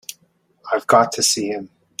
I've got to see him.